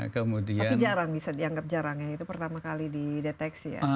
tapi jarang bisa dianggap jarang ya itu pertama kali dideteksi ya